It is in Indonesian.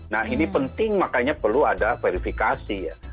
nah ini penting makanya perlu ada verifikasi ya